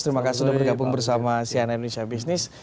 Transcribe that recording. terima kasih sudah bergabung bersama sian indonesia business